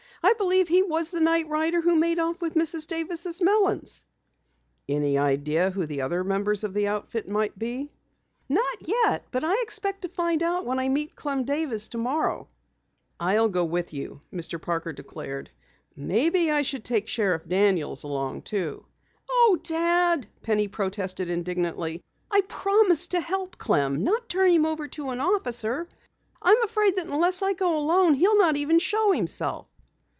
I believe he was the night rider who made off with Mrs. Davis' melons." "Any idea who the other members of the outfit may be?" "Not yet, but I expect to find out when I meet Clem Davis tomorrow." "I'll go with you," Mr. Parker declared. "Maybe I should take Sheriff Daniels along too." "Oh, Dad," Penny protested indignantly. "I promised to help Clem, not turn him over to an officer. I am afraid that unless I go alone, he'll not even show himself."